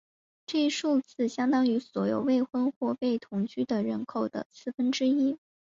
这一数字相当于所有未婚或未同居的人口的四分之一。